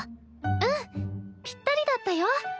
うんぴったりだったよ。